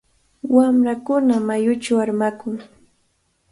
Wamrakuna mayuchaw armakun.